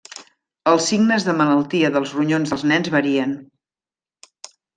Els signes de malaltia dels ronyons dels nens varien.